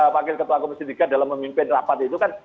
wakil ketua komisi tiga dalam memimpin rapat itu kan